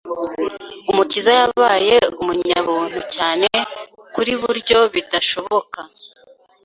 Umukiza yabaye umunyabuntu cyane kuri buryo bidashoboka